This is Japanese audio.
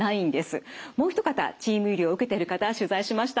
もうひとかたチーム医療を受けている方取材しました。